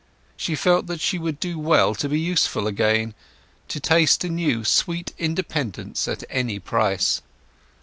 She felt that she would do well to be useful again—to taste anew sweet independence at any price.